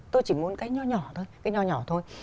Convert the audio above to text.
tôi chỉ muốn cái nhỏ nhỏ thôi